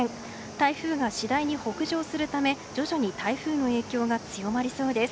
台風が次第に北上するため徐々に台風の影響が強まりそうです。